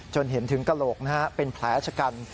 เห็นถึงกระโหลกเป็นแผลชะกัน